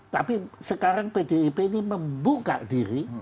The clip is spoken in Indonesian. tapi sekarang pdip ini membuka diri